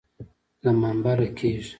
له منبره کېږي.